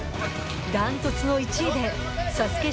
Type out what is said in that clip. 断トツの１位でＳＡＳＵＫＥ